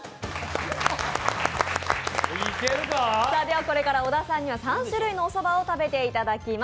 これから小田さんには３種類のおそばを食べていただきます。